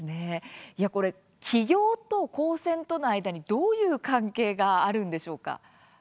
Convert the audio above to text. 起業と高専との間にどういう関係があるんでしょうか。